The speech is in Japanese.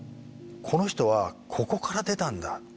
この人はここから出たんだ。